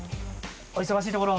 お忙しいところ。